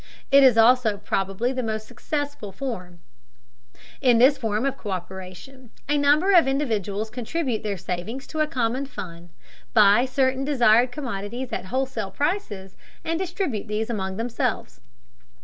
It is also probably the most successful form. In this form of co÷peration, a number of individuals contribute their savings to a common fund, buy certain desired commodities at wholesale prices, and distribute these among themselves.